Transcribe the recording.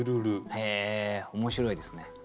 へえ面白いですね。